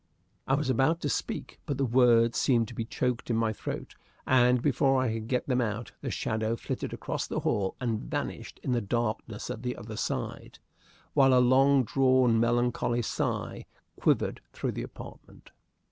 I was about to speak, but the words seemed to be choked in my throat; and before I could get them out, the shadow flitted across the hall and vanished in the darkness at the other side, while a long drawn melancholy sigh quivered through the apartment.